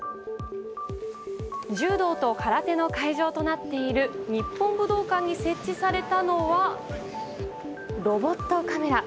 柔道と空手の会場となっている日本武道館に設置されたのはロボットカメラ。